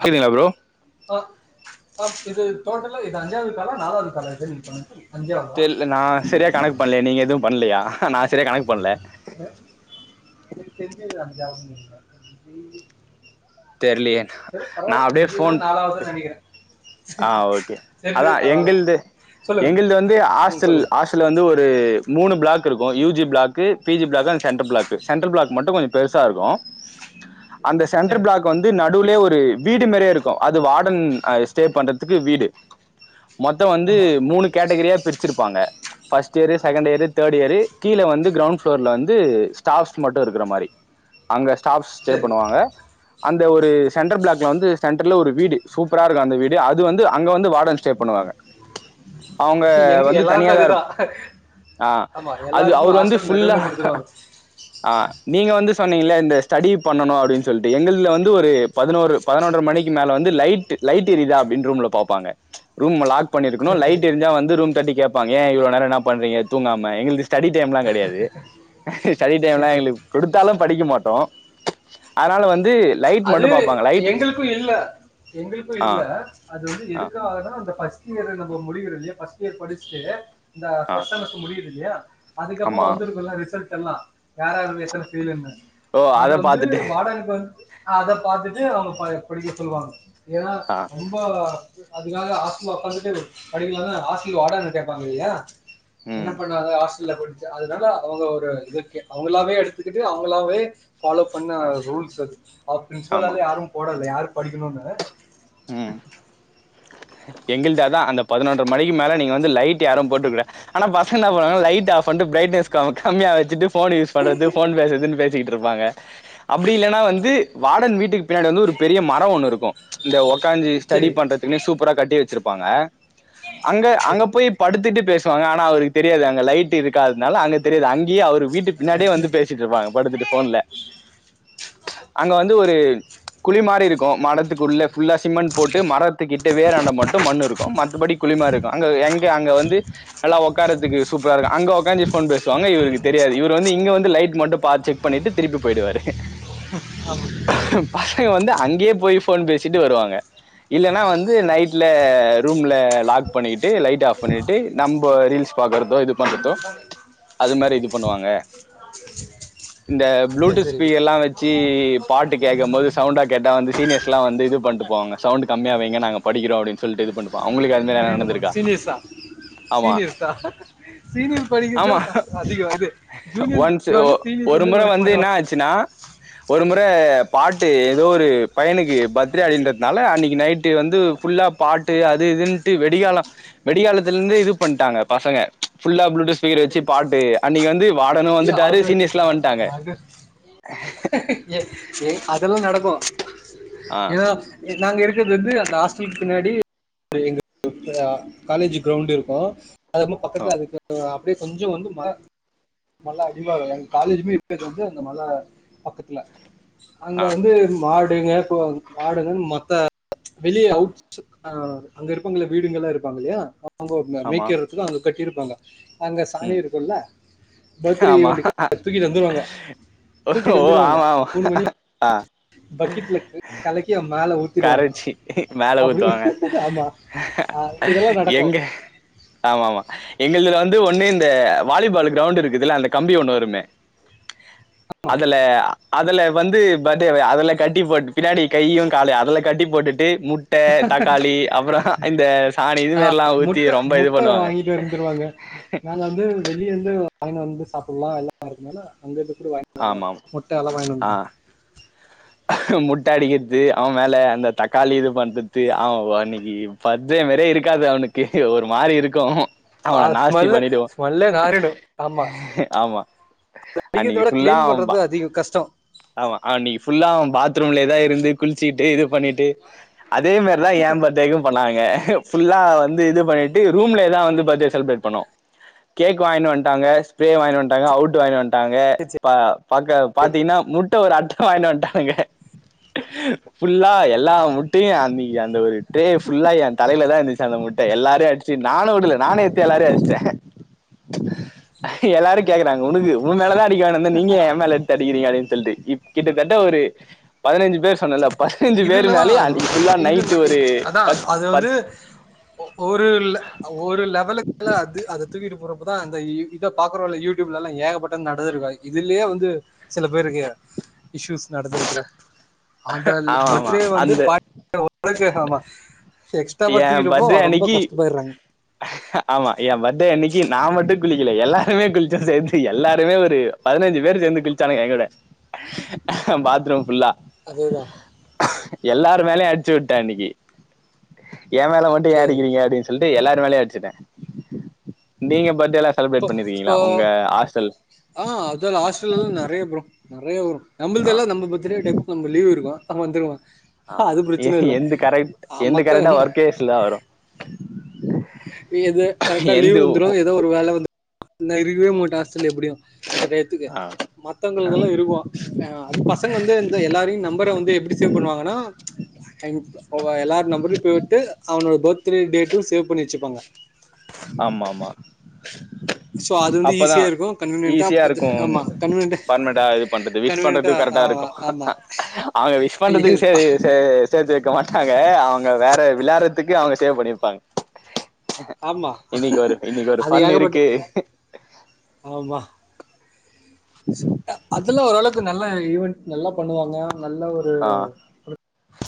கேக்துங்ளா bro ஆ ஆ இது டோட்டலா இது அஞ்சாது காலா நாலாது காலா இது நீங்க பண்ணது அஞ்சாவதா தெர்ல நா செரியா கணக்கு பண்லயே நீங்க எதுவு பண்லையா நா சரியா கணக் பண்ல எனக்கு தெரிஞ்சி இது அஞ்சாவதுனு [unintelligible] தெர்லயே நா அப்டியே ஃபோன் பே நாலாவதுன்னு நினைக்கிறேன் ஆ ஓகே அதா சரி பரவாயில்ல எங்கள்து சொல்லுங்க எங்கள்து வந்து ம் ஹாஸ்டல் ஹாஸ் சொல்லுங்க பக்கத்துல வந்து ஒரு மூணு பிளாக்குருக்கோ U G block P G block அது சென்ட்ரு பிளாக்கு சென்ட்ரல் பிளாக் மட்டு கொஞ்சோ பெருசா இருக்கோ அந்த சென்ட்ரு சரி பிளாக் இப்ப வந்து நடுவுலயே ஒரு வீடு மேரியே இருக்கோ அது வார்டன் ஸ்டே பண்றதுக்கு வீடு மொத்தோ வந்து ஆமா மூணு கேட்டகரியா பிரிச்சிருப்பாங்க ஃபஸ்ட்டியரு செகண்டியரு தேர்டியரு கீழ வந்து கிரௌண்ட் ஃப்ளோர்ல வந்து ஸ்டாஃப்ஸ் மட்டு இருக்குற மாரி அங்க ஸ்டாஃப்ஸ் ஸ்டே சரி பண்ணுவாங்க அந்த ஒரு சென்ட்ர் பிளாக்ல வந்து சென்டர்ல ஒரு வீடு சூப்பரா இருக்கோ அந்த வீடு அது வந்து அங்க வந்து வார்டன் ஸ்டே பண்ணுவாங்க அவுங்க எங்க வந்து எல்லாருக்கும் தனியாதா இருப் அதுதான் ஆ ஆமா அது எல்லாருக்குமே அவுரு வந்து ஹாஸ்டல் ஃபுல்லா நடுவுல கொடுத்துருவாங்க ஆ நீங்க வந்து சொன்னீங்கங்கள இந்த ஸ்டடி பண்ணணோ அப்டின்னு சொல்ட்டு என்னுள் ல வந்து ஒரு பதினோரு பதினொன்றரை மணிக்கு மேல வந்து லைட்டு லைட் எரியதா அப்டின்னு ரூம்ல பாப்பாங்க ரூம்ம லாக் பண்ணிருக்கணோ சரி சரி லைட்டு எரிஞ்சா வந்து ரூம் தட்டி கேப்பாங்க ஏ இவ்ளோ நேரோ என்ன பண்றீங்க தூங்காம எங்களுக்கு ஸ்டடி டைம்லா கடையாது ஸ்டடி சரி டைம்லா சரி எங்களுக்கு குடுத்தாலு படிக்க மாட்டோ அதனால வந்து லைட் அது மட்டு பாப்பாங்க லைட் எங்குளுக்கு இல்ல எங்குளுக்கு ஆ இல்ல அது வந்து ஆ எதுக்காகனா அந்த ஃபர்ஸ்டியரு நம்மோ முடிக்கிற இல்லையோ ஃபர்ஸ்டியர் படிச்சிட்டு இந்த ஆ பர்ஸ்ட் செமஸ் முடியுது இல்லீயா அதுக்கப்போ ஆமா வந்துருக்குல்ல ரிசல்ட் எல்லா யார் யாரு எத்தன ஃபெயில்னு ஓ அத வந்து பாத்துட்டு வாடக கொடுத்து அத பாத்துட்டு அவுங்க ப படிக்க சொல்லுவாங்க ஏன்னா ஆ ரூம் இப்போ அதுக்காக ஹாஸ்ட்டல்ல ஒக்காந்துட்டு படிக்கலானா ஹாஸ்டல் வார்டன கேப்பாங்க இல்லயா என்ன ம் பண்ணுவாங்க ஹாஸ்டல போயிட் அதனால அவுங்க ஒரு இதுக்கே அவுங்களாவே எடுத்துக்கிட்டு அவங்களாவே ஃபாலோப் பண்ண ஆ ரூல்ஸ் அது அவரு ஆமா பிரின்ஸ்பால்ல யாரு போடல யாரு படிக்கணோன்னு ம் எங்கள்து அதா அந்த பதினொன்ற மணிக்கு மேல நீங்க வந்து லைட்டு யாரு போட்றக்கூடாது ஆனா பசங்க என்ன பண்ணுவாங்க லைட்ட ஆஃப் பண்ட்டு ப்ரைட்னஸ் கம்மியா வெச்சுட்டு ஃபோன் யூஸ் பண்றது ஃபோன் பேசுறதுன்னு பேசிட்ருப்பாங்க அப்டி இல்லன்னா வந்து வாடன் வீட்டுக்கு பின்னாடி வந்து ஒரு பெரிய மரோ ஒண்ணு இருக்கோ இந்த ஒக்காஞ்சி ஸ்டடி சரி பண்றதுக்குன்னே சூப் பரா கட்டி வச்சிருப்பாங்க அங்க அங்க சரி போய் படுத்துட்டு பேசுவாங்க ஆனா அவருக்கு தெரியாது அங்க லைட்டு இருக்காதனால அங்க தெரியாது அங்கயே அவர் வீட்டு பின்னாடியே வந்து பே சிட்ருப்பாங்க படுத்துட்டு ஃபோன்ல அங்க வந்து ஒரு குழி மாரி இருக்கோ மரத்துக்கு உள்ள ஃபுல்லா சிமெண்ட் போட்டு மரத்துக்கிட் வேராண்ட மட்டு மண்ணு இருக்கோ மத்தபடி குழிமாருக்கோ அங்க எங்க அங்க வந்து எல்லா ஒக்காரத்துக்கு சூப்பரா இருக்கோ அங்க ஒக்காஞ்சி ஃபோன் பேசுவாங்க இவருக்கு தெரியாது இவரு வந்து இங்க வந்து லைட் மட்டு பாத் செக் பண்ணிட்டு திருப்பி போயிடுவாரு ஆமாங்க பசங்க வந்து அங்கேயே போயி ஃபோன் பேசிட்டு வருவாங்க இல்லன்னா வந் து நைட்ல ரூம்ல லாக் பண்ணிட்டு லைட் ஆப் பண்ணிட்டு நம்ம ரீல்ஸ் பாக்றதோ இது பண்றதோ அது மாரி இது பண்ணுவாங்க இந்த ப்ளூடூத் சரி சரி ஸ்பீ எல்லா வச் சி பாட்டு கேட்க போது சவுண்டா கேட்டா வந்து சீனியர்ஸ்லா வந்து இது பண்ட்டு போவாங்க சவுண்டு் கம்மியா வைங்க நாங்க படிக்கிறோ அப்படின்னு சொல்ட்டு இது பண்ணுவோ அவுங்ளுக்கு அந்த [unintelligible] சீனியர்ஸ்ஸா தா சீனியர்ஸ்ஸா தா சீனியர்ஸ் படிக்கிறதுதா ஆமா சத அதிகோ வந்து ஒன்ஸ் ஜூனியர்ஸ்க்கு வந்து சீனியர்ஸ் ஒரு வந்து முறை இது என்ன பண்ணுவாங்க ஆச்சுன்னா ஒரு முற பாட்டு ஏதோ ஒரு பையனுக்கு பர்த்டே அப்படின்றத்னால அன்னைக்கு நைட்டு வந்து ஃபுல்லா பாட்டு அது இதுன்னுட்டு வெடிகால வெடிகாலத்துல இருந்தே இது பண்ட்டாங்க பசங்க ம்ச் ஃபுல்லா ப்ளூடூத் ஸ்பீக்கர் வச்சு சரி பாட்டு அன்னிக்கு வந்து வாடனு ஏ வந்துட்டாரு அது சீனியர்ஸ்லா வண்ட்டாங்க அது ஏ ஏ அதெல்லா நடக்கு ஆ ஏன்னா நாங்க இருக்கிறது வந்து அந்த ஹாஸ்டலுக்கு பின்னாடி எங்க அ காலேஜ்ஜூ கிரௌண்ட் இருக்கு அது ரொம்ப ஓ பக்கத்துல அதுக்கு அ அப்படியே கொஞ்சு வந்து ம மலை அடிவாரோ எங்க காலேஜுமே இருக்குருது வந்து அந்த மல பக்கத்துல அங்க ஆ வந்து மாடுங்க இப்போ மாடுங்கன்னு மத்த வெளியே அவு ஆ அங்க இருப்பவங்கள்ல வீடுங்கல்லா இருப்பாங்க இல்லையா அங்க அவங்க ஆமா மேய்க்கிறதுக்கு அங்க கட்டியிருப்பாங்க அங்க சாணி ம் இருக்குல்ல பர்த்டே ஆமா ஈவெண்ட்க்கு தூக்கிட்டு வந்துருவாங்க ஓ தூக்கிட்டு வந்துருவாங்க ஆமா ஆமா மூணு மணி ஆ பக்கெட்ல கலக்கி அவ மேல ஊத்தி கரச்சி மேல ஊத்துவாங்க ஆமா ஆஹ் இதெல்லாம் நடக்கும் எங்க ஆமா ஆமா எங்குளுதுல வந்து ஒண்ணு இந்த வாலிபால் கிரௌண்ட் இருக்குதுல்ல அந்த கம்பி ஒண்ணு வருமே அதுல அதுல வந்து பாத்தா அதுல கட்டி போட்டு பின்னாடி கையு காலையு அதுல கட்டி போட்டுட்டு மு முட்டே தக்காளி அப்புறோ இந்த சாணி இது மாரில்லா ஊத்தி ரொம்ப இது பண்ணுவாங்க க நாங்க வந்து வெளிய இருந்து வாங்கினு வந்து சாப்பிடலா எல்லா இருக்கனால அங்கிருந்துனால அங்கிருந்து கூட வாங்கினு வந்து ஆமாம் ஆ முட்டை அடிக்கிறது அவ மேல அந்த தக்காளி இது பண்றது அவ அன்னைக்கு பத்தேயோ வரே இருக்காது அவனுக்கு ஒரு மாரி இருக்கு ப்பா ஸ்மெல்லு ஸ்மெல்லே நாறிடு ஆமா ஆமா அது அன்னைக்கு அடிக்குரதவிட ஃபுல்லா கிளீன் அவன் பண்றது பா அதிகோ கஷ்டோ ஆமா அவ அன்னைக்கு ஃபுல்லா அவபாத்ரூம்லேயே தா இருந்து குளிச்சுக்கிட்டு இது பண்ணிட்டு அதே மாரிதா ஏன் பர்த்துடேக்கு பண்ணாங்க ஃபுல்லா வந்து இது பண்ணிட்டு ரூம்லேயேதா வந்து பர்த்டே செலிப்ரேட் பண்ணோ கேக் வாங்கினு வண்ட்டாங்க ஸ்ப்ரே வாங்கிட்டு வண்ட்டாங்க அவுட் வாங்கிணி வணாட்டாங்க இப்ப பாக்க பாத்தீங்கன்னா முட்ட ஒரு அட்ட வாங்கினு வண்டானுங்க ஃபுல்லா எல்லா முட்டையு அன்னைக்கு அந்த ஒரு டே ஃபுல்லா என் தலையில தா இருந்துச்சு அந்த முட்டை எல்லாரு அடிச்சு நானு உடல நானு எடுத்து எல்லாரையு அடிச்சிட்டே எல்லாரு கேக்குறாங்க உனக்கு உ மேலதா அடிக்க வாங்கினுவந்தே நீங்க ஏ மேல எடுத்து அடிக்கிறீங்க அப்டினு சொல்லிட்டு இப் கிட்டத்தட்ட ஒரு பதினைஞ்சு பேர் சொன்னல்ல பதினஞ்சு பேரு இதுலதான் மேலே அன்னைக்கு ஃபுல்லா இது நைட் ஒரு அதான் பத்து அது வந்து ஒரு இல்ல அ ஒரு லெவலுக்கு மேல அது அத தூக்கிட்டு போறப்பதா அந்த இத பாக்குறோ இல்ல யூடியூப்ல எல்லா ஏக பட்டது நடந்திருக்கா வாய் இதுலயே வந்து சில பேருக்கு இஸ்யூஸ் நடந்திருக்கு அந்தல்ல ஆமா ஆமா பத்ரே வந்து அந்த பார் [unintelligible] ஆமா எக்ஸ்ட்ராவா என் தூக்கிட்டுப்போ பர்த்டே ரொம்ப அன்னைக்கி கஷ்டப்பற்றாங்க ஆமா என் பர்த்டே அன்னைக்கு நா மட்டும் குளிக்கல எல்லாருமே குளிச்சோ சேந்து எல்லாருமே ஒரு பதினைஞ்சு பேர் சேந்து குளிச்சானுங்க எங்கூட பாத்ரூம் ஃபுல்லா அதேதா எல்லாரு மேலயு அடிச்சு வுட்டே அன்னைக்கி என் மேல மட்டு ஏன் சரி அடிக்கிறீங்க அப்டின்னு சொல்லிட்டு எல்லாரு மேலயும் அடிச்சுட்டே நீங்க பர்த்டே எல்லா செலிபரேட் இப்போ பண்ணிருக்கீங்ளா இப்போ உங்க ஹாஸ்டல் ஆ அதல்லா ஹாஸ்ட்டல்லல்லா எல்லா நெறைய ப்ரோ நெறைய வரு ஆ நம்புள்தல்லா நம்மள பத்தி டெலிவரி ம் டைக்கு கொஞ்சோ நம்ம லீவ் இருக்கு அ வந்துருவ ஆ எந்து கரெக்ட் எந்து மத்த கரெக்டா ஒர்க்டேஸ்ல தா வரு எது கரெக்டா லீவ் எந்து வந்துரு ஏதோ ஒரு வேல வந்துரு நா இருக்கவே மாட்டா ஹாஸ் டல்ல எப்புடியுஅந்த டைத்துக்கு ஆ மத் புத்தகங்கள் எல்லா இருக்கு அ அது பசங்க வந்து இந்த எல்லாரையு நம்பர வந்து எப்டி சேவ் பண்ணுவாங்கன்னா ஐ மீன் ஒவ்வொ எல்லார் நம்பரையு போட்டு அவனோட பர்த்டே டேட்டும் சேவ் பண்ணி வெச்சுப்பாங்க ஆம்மாமா சோ அது வந்து அப்பதா ஈஸியா இருக்கு கன்வீனியன்ட்டா ஈஸியா இருக்கு ஆமா கன்வீனியன்ட்டா பர்ம்னட்டா இது பண்றது விஷ் பண்றது கன்வீனியன்ட்டா கரெக்டா இருக்கு ஆ அவ்ங்க விஷ் பண்றதுக்கு சே ஆமா சே சேத்து வெக்க மாட்டாங்க அவங்க வேற விளாறத்துக்கு அவங்க சேவ் பண்ணிருப்பாங்க ஆமா இன்னைக்கு ஒரு இன்னைக்கு ஒரு அது ஃபன் ஏகப்பட்ட இருக்கு ஆமா அதல்லா ஓரளவுக்கு நல்ல ஈவென்ட் நல்லா பண்ணுவாங்க நல்ல ஒரு ஆ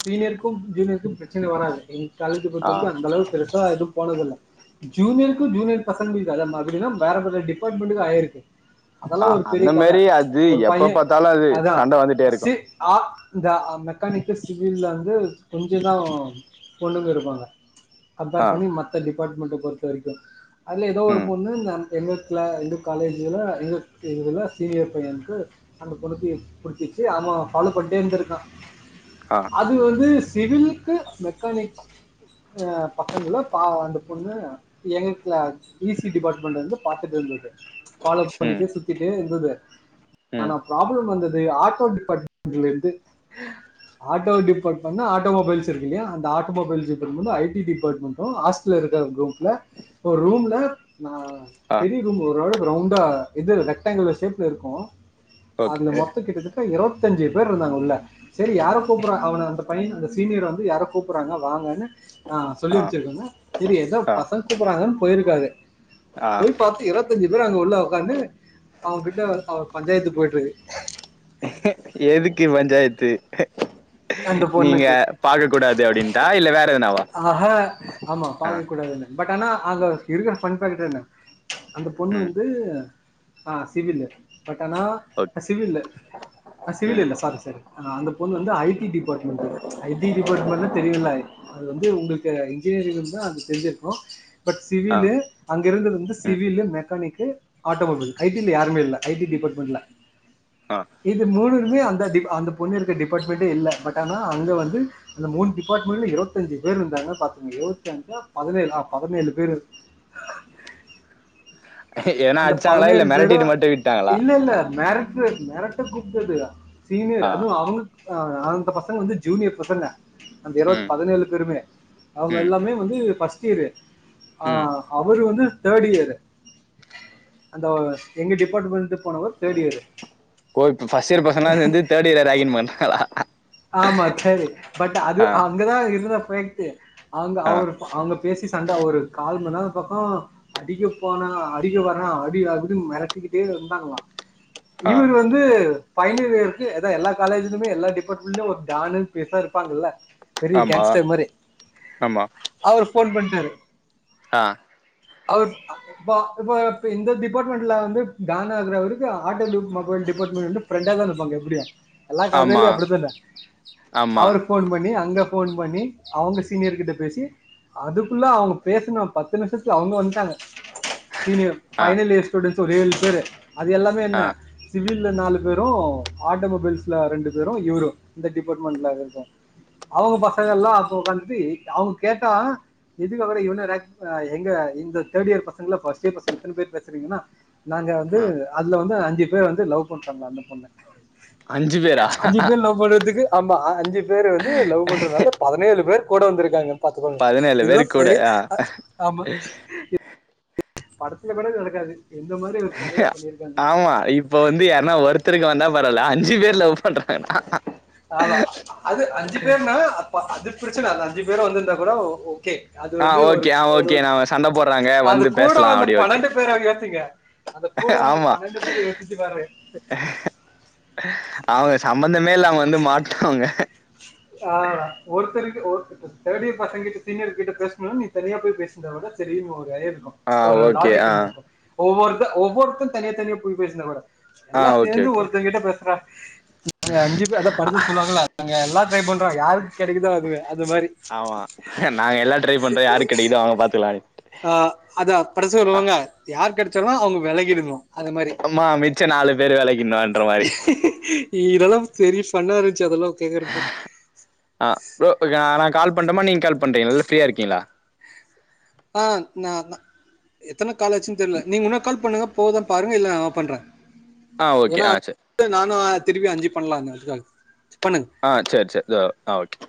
சீனியருக்கும் ஜூனியருக்கும் பிரச்சன வராது எங்க காலேஜ்ஜ பொறுத்த ஆ வரைக்கு அந்தளவுக் பெருசா எதுவும் போனதில்ல ஜூனியருக்கும் ஜூனியர் பசங்க அத மாதிரின்னா வேற வேற டிார்ட்மெண்டுக்கு ஆயிருக்கு அதெல்லா ஆ ஒரு பெரிய அந்த கத மாரி அது ஒரு எப்ப பைய பாத்தாலு அது அதா சண்ட வந்துட்டே இருக்கு சி ஆ இந்த மெக்கானிக்கு சிவில்ல வந்து கொஞ்ச இதாவு பொண்ணுங்க இருப்பாங்க கம்பேர் ஆ பண்ணி மத்த டிபார்ட்மெண்ட்ட பொறுத்த வரைக்கு அதில ஏதோ ஒரு ம் பொண்ணு ந எங்க க்ளா எங்க காலேஜில எங்க இதுலா சீனியர் பையனுக்கு அந்த பொண்ணுக்கு புடிச்சிச்சு அவ ஃபாலோ பண்ட்டே இருந்திருக்கா ஆ அது வந்து சிவில்க்கு மெக்கானிக் அ பசங்களு பாவ அந்த பொண்ணு எங்க க்ளா இ சி டிபார்ட்மெண்ட்லந்து பாத்துட்டு இருந்தது பாலோப் ம் பண்ணிட்டு சுத் திட்டு இருந்தது ம் ஆனா ப்ராப்ளம் வந்தது ஆட்டோ டிபார்ட்மெண்ட்ல இருந்து ஆட்டோ டிபார்ட்மெண்ட்னா ஆட்டோமொபைல்ஸ் இருக்கு இல்லையா அந்த ஆட்டோமொபைல் இக்கறவங்க வந்து ஐ டி டிார்ட்மெண்டு ஹாஸ் டல்ல இருக்க ரூம்ல ஒரு ரூம்ல நா ஆ பெரிய ரூம் ஓரளவுக்கு ரவுண்டா இது ரெக்டாங்கில் ஷேப்ல இருக்கு அதுல ஓகே மொத்தோ கிட்டத்தட் ட இருவத்தஞ்சு பேர் இருந்தாங்க உள்ள சரி யார கூப்பிடற அவன அந்தப் பைய அந்த சீனியர் வந்து யாரோ கூப்புறாங்க வாங்கன்னு சொல்லி ஆ அம்ச்சிருக்காங்க செரி எதோ ஆ பசங் கூப்பறாங்கன்னு போயிருக்காரு ஆ போய் பாத்து இருவத்தஞ்சு பேர் அங்க உள்ள உக்காந்து அவ்ங்கிட்ட அவர் பஞ்சாயத்து போயிட்டு ருக்கு எதுக்கு பஞ்சாயத்து அந்த நீங்க பொண்ணுக்கு பாக்க கூடாது அப்டின்டா இல்ல வேற எதனாவா ஆஹா ஆமா ஆ பாக்க கூடாதுனு பட் ஆனா அங்க இருக்கிற பன் பாக்கேட்ன்னா அந்த பொண்ணு ம் வந்து ஆ சிவிலு பட் ஆனா ஓக் அ சிவிலு ஆ சிவில் ம் இல்ல சாரி சாரி ஆ அந்த பொண்ணு வந்து ஐ டி டிபார்ட்மெண்ட்டு ஐடி டிபார்ட்மெண்ட்னா தெரியும்ல அது வந்து உங்களுக்கு இன்ஜினியரிங் இருந்தா அது தெரிஞ்சிருக்கு பட் ஆ சிவிலு அங்க இருந்தது வந்து ம் சிவிலு மெக்கானிகக்கு ஆட்டோமொபைல் ஐ டி ல யாருமே இல்ல ஐ டி டிபார்ட்மெண்ட்ல ஆ இது மூணு மே அந்த டிபா அந்த பொண்ணு இருக்க டிபார்ட்மெண்ட்டே இல்ல பட் ஆனா அங்க வந்து அந்த மூணு டிபார்ட்மெண்ட் இருபத் தஞ்சு பேர் இருந்தாங்க பாத்தீங்க இருபத்தி அஞ்சா பதினேழு ஆ பதினேழு பேர் எதனா அந்த அடிச்சாங்களா இல்ல பதினேழு பேரு மெரட்டிட்டு மட்டு விட்டாங்களா இல்ல இல்ல மெரட் [unintelligible] மெரட்ட கூப்ட்டது சீனியர் ஆ அதுவு அவங்க ஆ அந்த பசங்க வந்து ஜூனியர் பசங்க அந்த இருவத் ம் பதினேழு பேருமே அவங்க ம் எல்லாமே வந்து ஃபர்ஸ்ட் இயரு ஆ ம் அவரு வந்து தேர்ட் இயரு அந்த எங்க டிபார்ட்மெண்ட்டுல போனவர் தேர்ட் இயர் கோய்த் ஃபர்ஸ்ட் இயர் பசங்கல்லருந்து தேர்ட் இயர ரக்கிங் பண்ராளா ஆமா தட் பட் அது அங்கதா இருந்த ப்ரண்ட்டு அங்க ஆ அவரு அவங்க பேசி சண்ட ஒரு கால்மன்நேரோ பக்கோ அடிக்க போனா அடிக்க வர்ரா அடி அப்டினு மெரட்டிக்கிட்டே இருந்தாங்களா ஆ இவரு வந்து பைனலியருக்கு ஏதோ எல்லா காலேஜிலுமே எல்லா டிப்பாட் அப்ப உள்ள ஒரு டானு பெருசா இருப்பாங்கல்ல பெரிய ஆமா கேங்ஸ்டர் மாரி ஆமா அவரு ஃபோன் பண்ட்டாரு ஆ அவுரு பா இப்ப இந்த டிபார்ட்மெண்ட்ல வந்து டானா இருக்கவருக்கு ஆட்டோ டிப் மொபைல் டிபார்ட்மெண்ட் வந்து ஃப்ரெண்டா தான இருப்பாங்க எப்டியு எல்லா ஆமா கதையிலயும அப்டித்தான ஆமா அவரு ஃபோன் பண்ணி அங்க ஃபோன் பண்ணி அவங்க சீனியர் கிட்ட பேசி அதுக்குள்ள அவங்க பேசுன பத்து நிமிஷத்துல அவங்க வந்ட்டாங்க சீனியர் ஆ பைனல் இயர் ஸ்டூடன்ஸ் ஒரு ஏழு பேரு அது எல்லாமே ஆ என்ன சிவில்ல நாலு பேரு ஆட்டோமொபைல்ஸ்ல ரெண்டு பேரு இவரு இந்த டிபார்ட்மெண்ட்ல இருக்க அவங்க பசங்கல்லா அங்க உக்காந்துட்டு அவங்க கேட்டா இதுக்காகற இவன ரக் அ எங்க இந்த தேர்ட் இயர் பசங்கல ஃபர்ஸ்ட் இயர் பசங்க இத்தன பேர் பேசுறீங்கன்னா நாங்க வந்து ஆ அதுல வந்து அஞ்சு பேர் வந்து லவ் பண்றாங்களா அந்த பொண்ண அஞ்சு பேரா அஞ்சு பேர் லவ் பண்றதுக்கு ஆமா அஞ்சு பேர் வந்து லவ் பண்றதுனால பதினேழு பேர் கூட வந்திருக்காங்க பாத்துக்கோங்க பதினேழு இதுதா பேரு கூட பைடே ஆ ஆமா படத்துல கூட நடக்காது எந்த மாதிரி ஒரு கதையா சொல்லிருக்காங்க ஆமா இப்ப வந்து யாருன்னா ஒருத்தருக்கு வந்தா பரவால அஞ்சு பேர் லவ் பண்றாங்கனா ஆமா அது அஞ்சு பேருனா அப்ப அது பிரச்சன அந்த அஞ்சு பேரு வந்திருந்தா கூட ஓ கே அது ஆ வந்து ஒரு ஓகே ஆ ஒரு ஓகே நாம சண்ட போடுறாங்க அது வந்து கூட பேசலா வந்த அப்படி ஓகே பன்னெண்டு பேர யத்தீங்க அந்த கூட வந்து ஆமா பன்னெண்டு பேர் யோசிச்சு பாரு அவங்க சம்பந்தமே இல்லாம வந்து மாட்னவுங்க ஆ ஒருத்தரு ஒருத்த தேர்ட் இயர் பசங்கிட்ட சீனியர் கிட்ட பேசனு நீ தனியா போய் பேசுந்தத விட சரின்னு ஒரு இ இருக்கு ஆ ஒரு ஓகே லாஜிக் ஆ இருந்துருக்கு ஒவ்வொருத்த ஒவ்வொருத்தரு தனியா தனியா போய் பேசிந்தா கூட ஆ எல்லா ஓகே சேந்து ஓகே ஒருத்தங்கிட்ட பேசுறா நாங்க அஞ்சு பேர் அதா படத்துல சொல்லுவாங்கள அங்க எல்லா பண்றோ யாருக்கு கெடைக்குதோ அதுவே அது மாரி ஆமா நாங்க எல்லா ட்ரை பண்றோ யாரு கெடைக்குதோ அவங்க பாத்துக்கலானு ஆ அதா படச்சு ஆ வருவாங்க யார் கெடச்சாலு அவங்க வெலகிடனு அத மாரி ஆமா மிச்ச நாலு பேர் வேலைக்கின்னுன்ற மாரி இதெல்லா சரி ஃபண்ணா ருந்ச்சு அதெல்லா கேக்குறப்போ அ ப்ரோ நா கால் பண்ட்டுமா நீங்க கால் பண்றீங்க ல்ல ஃப்ரீயா இருக்கீங்ளா ஆ நா எத்தன கால் ஆச்சுன்னு தெர்ல நீங்க ஒன்னு கால் பண்ணுங்க போத பாருங்க இல்ல நா பண்ற ஆ ஓகே ஆ சரி நானு திருப்பி அஞ்சு பண்ணலாங்க அதுக்காக பண்ணுங் அ சரி சரி ஆ ஓகே